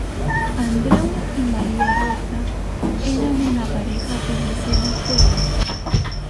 Andreu y Maria Rosa eran una pareja feliz en el pueblo.